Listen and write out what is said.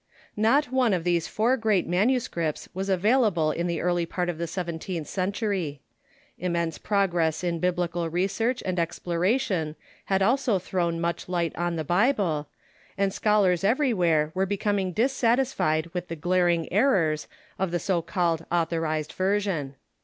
Not one of these four great manuscripts was availa ble in the early part of the seventeenth century. Immense progress in Biblical research and exploration had also thrown much light on the Bible, and scholars everj^where were be comins: dissatisfied with the glaring errors of the so called TIIK REVISION OF THE 15IBLE 407 Aulliorized Version.